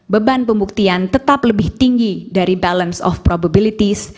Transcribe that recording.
beban pembuktian tetap lebih tinggi dari balance of probabilities